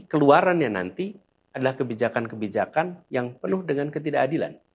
keluarannya nanti adalah kebijakan kebijakan yang penuh dengan ketidakadilan